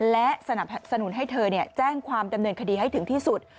และสนับสนุนให้เธอแจ้งความดำเนินคดีให้ถึงที่สุด